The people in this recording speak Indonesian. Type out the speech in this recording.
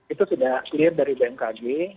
itu tidak clear dari bmkg